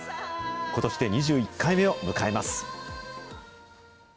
ことしで２１回目を迎えます。